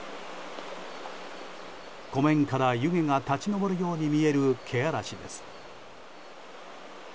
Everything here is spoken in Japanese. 湖面から湯気が立ち上るように見えるけあらしです。